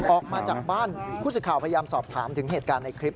ออกมาจากบ้านผู้สิทธิ์ข่าวพยายามสอบถามถึงเหตุการณ์ในคลิป